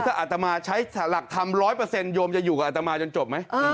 ถ้าอัตมาใช้หลักธรรม๑๐๐โยมจะอยู่กับอัตมาจนจบไหม